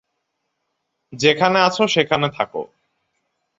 যেখানে আছো সেখানে থাকো।